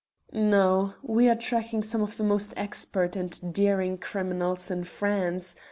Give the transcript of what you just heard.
"No; we are tracking some of the most expert and daring criminals in France.